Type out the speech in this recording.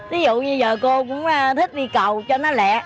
ví dụ như giờ cô cũng thích đi cầu cho nó lẹ